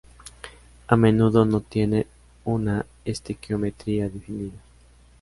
A menudo no tienen una estequiometría definida.